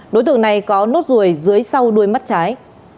đối tượng này có nốt ruồi dưới sau đuôi mắt trái